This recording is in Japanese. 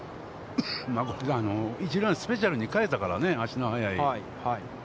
一塁ランナーをスペシャルに代えたからね、足の速い。